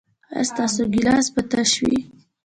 ایا ستاسو ګیلاس به تش وي؟